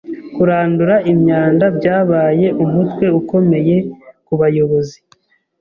Kurandura imyanda byabaye umutwe ukomeye kubayobozi.